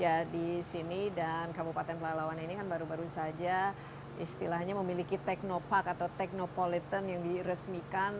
ya di sini dan kabupaten pelalawan ini kan baru baru saja istilahnya memiliki teknopark atau teknopolitan yang diresmikan